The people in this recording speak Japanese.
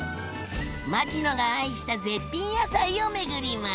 牧野が愛した絶品野菜を巡ります。